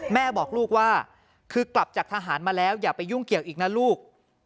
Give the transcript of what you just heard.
แม่บอกลูกว่าคือกลับจากทหารมาแล้วอย่าไปยุ่งเกี่ยวอีกนะลูก